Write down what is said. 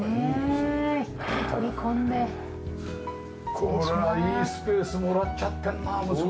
これはいいスペースもらっちゃってんな息子。